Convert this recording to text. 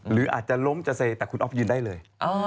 หรืออาจจะล้มจะเซแต่คุณอ๊อฟยืนได้เลย